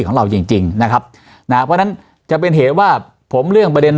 ของเราจริงจริงนะครับนะเพราะฉะนั้นจะเป็นเหตุว่าผมเรื่องประเด็น